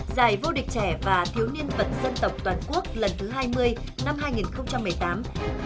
giải vô địch trẻ và thiếu niên vật dân tộc toàn quốc lần thứ hai mươi năm hai nghìn một mươi tám